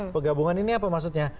penggabungan ini apa maksudnya